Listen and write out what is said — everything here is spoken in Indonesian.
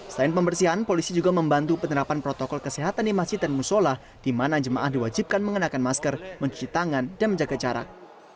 selain pembersihan polisi juga membantu penerapan protokol kesehatan di masjid dan musola di mana jemaah diwajibkan mengenakan masker mencuci tangan dan menjaga jarak